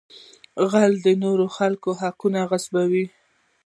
غل د نورو خلکو حقونه غصبوي